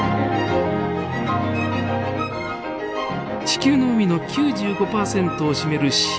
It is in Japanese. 地球の海の９５％を占める深海。